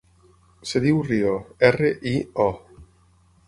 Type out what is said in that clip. Es diu Rio: erra, i, o.